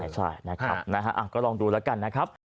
ใช่นะครับก็ลองดูแล้วกันนะครับ